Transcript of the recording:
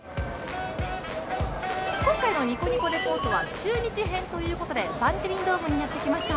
今回のニコニコリポートは中日編ということでバンテリンドームにやってきました。